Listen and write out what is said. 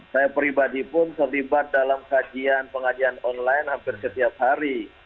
saya pribadi pun terlibat dalam kajian pengajian online hampir setiap hari